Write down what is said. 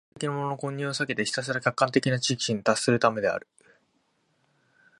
主観的なものの混入を避けてひたすら客観的な知識に達するためである。